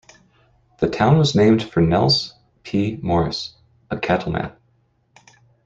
The town was named for Nels P. Morris, a cattleman.